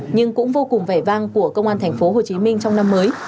nhưng cũng vô cùng vẻ vang của công an thành phố hồ chí minh trong năm mới